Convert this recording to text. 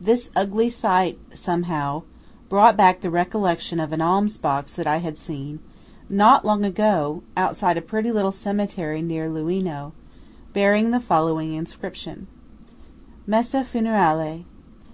This ugly sight, somehow, brought back the recollection of an alms box that I had seen not long ago outside a pretty little cemetery near Luino, bearing the following inscription:–"Messe Funerale.